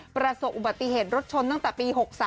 ประสบอุบัติเหตุรถชนตั้งแต่ปี๖๓